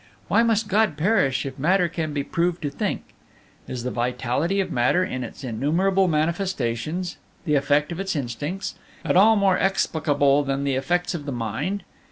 Why must God perish if matter can be proved to think? Is the vitality of matter in its innumerable manifestations the effect of its instincts at all more explicable than the effects of the mind?